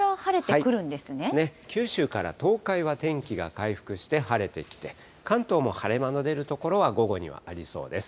九州から東海は天気が回復して晴れてきて、関東も晴れ間の出る所は午後にはありそうです。